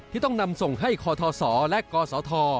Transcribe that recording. ต้องนำส่งให้คศและกศธ